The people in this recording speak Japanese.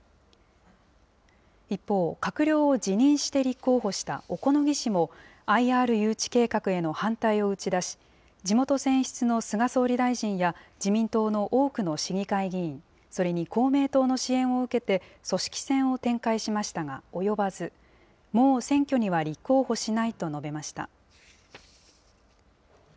一方、閣僚を辞任して立候補した小此木氏も、ＩＲ誘致計画への反対を打ち出し、地元選出の菅総理大臣や、自民党の多くの市議会議員、それに公明党の支援を受けて、組織戦を展開しましたが、及ばず、もう選挙には立候補しないと述べました。